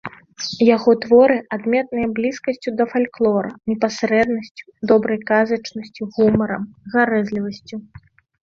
Яго творы адметныя блізкасцю да фальклору, непасрэднасцю, добрай казачнасцю, гумарам, гарэзлівасцю.